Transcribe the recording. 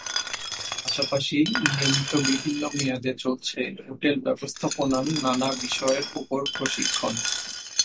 পাশাপাশি নিয়মিত বিভিন্ন মেয়াদে চলছে হোটেল ব্যবস্থাপনার নানা বিষয়ের ওপর প্রশিক্ষণ।